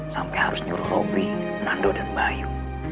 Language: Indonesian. sampai harus nyuruh robby nando dan bayu